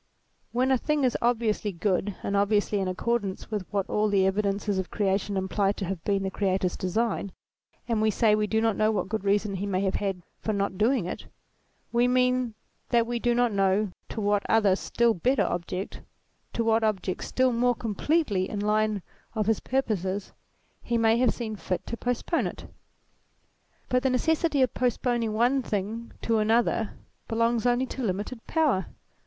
When a thing is obviously good and obviously in accordance with what all the evidences of creation imply to have been the Creator's design, and we say we do not know what good reason he may have had for not doing it, we mean that we do not know to what other, still better object to what object still more completely in N' 180 THEISM the line of his purposes, he may have seen fit to postpone it. But the necessity of postponing one thing to another belongs only to limited power.